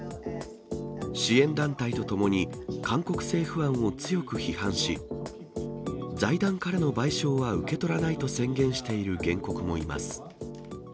支援団体とともに、韓国政府案を強く批判し、財団からの賠償は受け取らないと宣言している原告もいます。